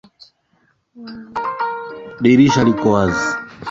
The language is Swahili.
Dirisha liko wazi